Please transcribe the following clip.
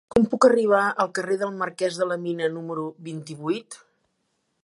Com puc arribar al carrer del Marquès de la Mina número vint-i-vuit?